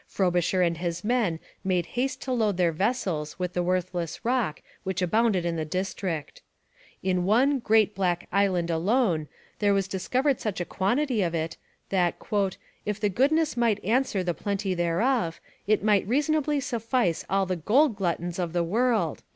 Frobisher and his men made haste to load their vessels with the worthless rock which abounded in the district. In one 'great black island alone' there was discovered such a quantity of it that 'if the goodness might answer the plenty thereof, it might reasonably suffice all the gold gluttons of the world.'